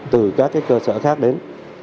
từ các cơ sở khác đến